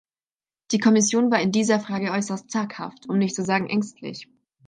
Die Kommission war in dieser Frage äußerst zaghaft, um nicht zu sagen ängstlich.